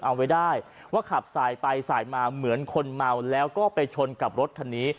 เอาไว้ได้ว่าขับสายไปสายมาเหมือนคนเมาแล้วก็ไปชนกับรถคันนี้